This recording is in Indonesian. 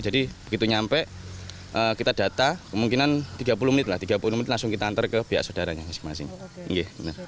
jadi begitu sampai kita data kemungkinan tiga puluh menit langsung kita antar ke pihak saudaranya masing masing